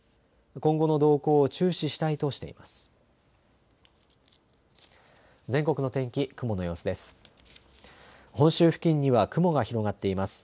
今後の動向を注視したいとしています。